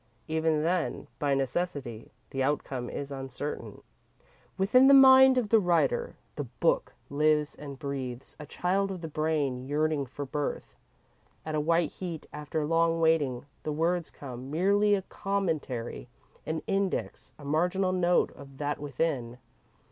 Even then, by necessity, the outcome is uncertain. Within the mind of the writer, the Book lives and breathes; a child of the brain, yearning for birth. At a white heat, after long waiting, the words come merely a commentary, an index, a marginal note of that within.